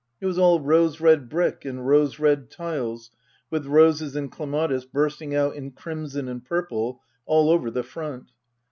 It was all rose red brick and rose red tiles, with roses and clematis bursting out in crimson and purple all over the front.